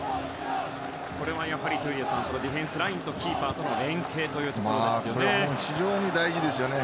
これは闘莉王さんディフェンスラインとキーパーとの連係というところですね。